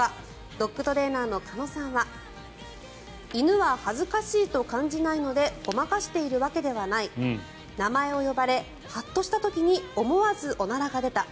ドッグトレーナーの鹿野さんは犬は恥ずかしいと感じないのでごまかしているわけではない名前を呼ばれ、ハッとした時に思わずおならが出た。